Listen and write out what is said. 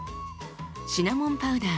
シナモンパウダー